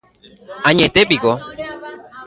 Añetépiko